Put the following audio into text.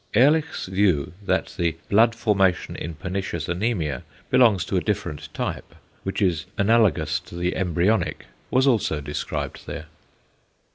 Ehrlich's view that the blood formation in pernicious anæmia belongs to a different type, which is analogous to the embyronic, was also described there.